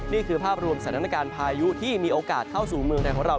นี่คือภาพรวมสถานการณ์พายุที่มีโอกาสเข้าสู่เมืองไทยของเรา